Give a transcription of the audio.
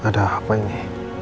ada apa ini